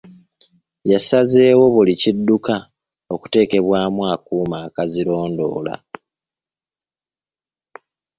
Yasazeewo buli kidduka okuteekebwemu akuuma akazirondoola.